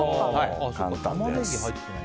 簡単です。